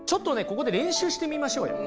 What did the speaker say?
ここで練習してみましょうよ。